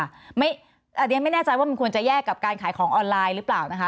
อันนี้ไม่แน่ใจว่ามันควรจะแยกกับการขายของออนไลน์หรือเปล่านะคะ